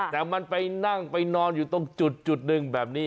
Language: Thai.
แต่มันไปนั่งไปนอนอยู่ตรงจุดหนึ่งแบบนี้